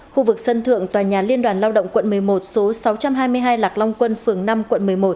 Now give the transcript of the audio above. khu vực sân thượng tòa nhà liên đoàn lao động quận một mươi một số sáu trăm hai mươi hai lạc long quân phường năm quận một mươi một